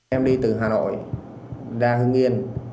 em đi từ hà nội ra hưng yên